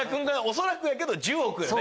恐らくやけど１０億よね。